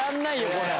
これ。